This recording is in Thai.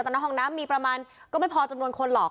แต่ในห้องน้ำมีประมาณก็ไม่พอจำนวนคนหรอก